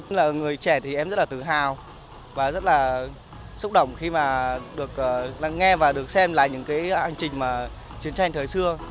nhưng là người trẻ thì em rất là tự hào và rất là xúc động khi mà được nghe và được xem lại những cái hành trình mà chiến tranh này